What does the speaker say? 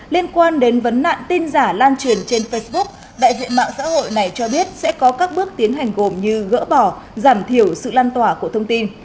liên quan đến vấn nạn tin giả lan truyền trên facebook đại diện mạng xã hội này cho biết sẽ có các bước tiến hành gồm như gỡ bỏ giảm thiểu sự lan tỏa của thông tin